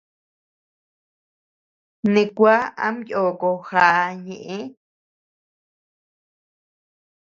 Ne kuá am yoko já ñeʼe.